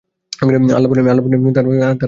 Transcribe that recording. আল্লাহ বলেন, তারা কি আমাকে দেখেছে?